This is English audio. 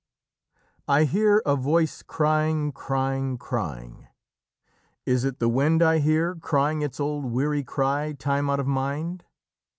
"I hear a voice crying, crying, crying: is it the wind I hear, crying its old weary cry time out of mind?